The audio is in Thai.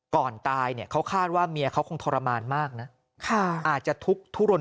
ก่อนตายเนี่ยเขาคาดว่าเมียเขาคงทรมานมากนะอาจจะทุกข์ทุรน